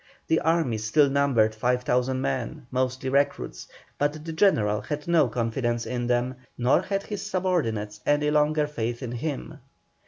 The army still numbered 5,000 men, mostly recruits, but the general had no confidence in them, nor had his subordinates any longer faith in him.